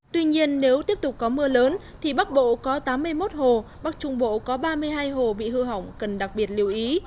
tuy nhiên nếu tiếp tục có mưa lớn thì bắc bộ có tám mươi một hồ bắc trung bộ có ba mươi hai hồ bị hư hỏng cần đặc biệt lưu ý